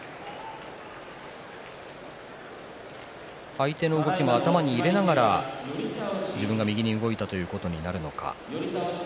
相手の動きを頭に入れながら自分が右に動いたということになるのか。